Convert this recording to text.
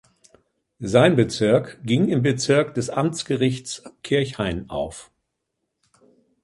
Sein Bezirk ging im Bezirk des Amtsgerichts Kirchhain auf.